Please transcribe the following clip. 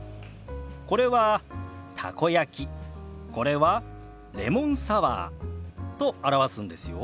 これは「たこ焼き」これは「レモンサワー」と表すんですよ。